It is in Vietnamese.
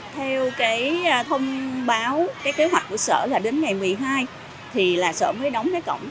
theo cái thông báo cái kế hoạch của sở là đến ngày một mươi hai thì là sở mới đóng cái cổng